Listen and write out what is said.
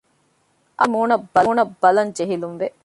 އާރްޔާގެ މޫނަށް ބަލަން ޖެހިލުންވެ